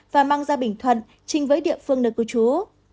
và mang ra bình thuận trình với địa phương nơi cư trú